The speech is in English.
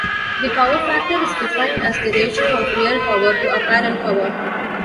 The power factor is defined as the ratio of real power to apparent power.